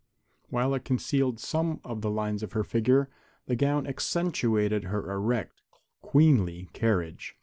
While it concealed some of the lines of her figure, the gown accentuated her erect, queenly carriage.